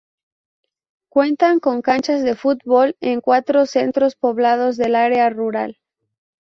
Cuentan con canchas de fútbol en cuatro centros poblados del área rural.